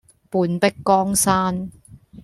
半壁江山